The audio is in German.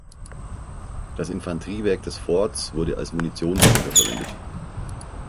Das Infanteriewerk des Forts wurde als Munitionsbunker verwendet.